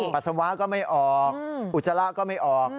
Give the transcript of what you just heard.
ปัสสาวะก็ไม่ออกอุจจาระก็ไม่ออก